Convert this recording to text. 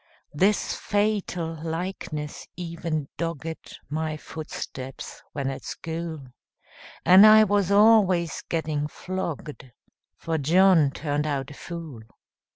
This fatal likeness even dogged My footsteps when at school, And I was always getting flogged, For John turned out a fool.